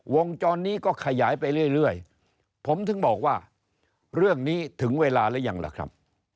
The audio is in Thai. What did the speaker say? วงจรนี้ก็ขยายไปเรื่อยผมถึงบอกว่าเรื่องนี้ถึงเวลาหรือยังล่ะครับ